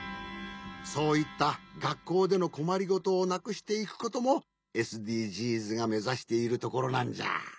そういったがっこうでのこまりごとをなくしていくこともＳＤＧｓがめざしているところなんじゃ。